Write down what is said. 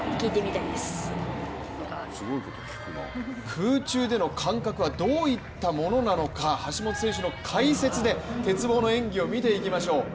空中での感覚はどういったものなのか、橋本選手の解説で鉄棒の演技を見ていきましょう。